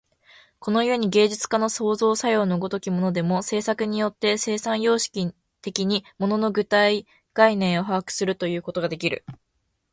この故に芸術家の創造作用の如きものでも、制作によって生産様式的に物の具体概念を把握するということができる。